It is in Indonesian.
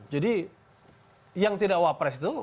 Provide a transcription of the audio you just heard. jadi yang tidak wa pres itu